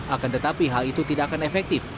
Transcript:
akan tetapi hal itu tidak akan efektif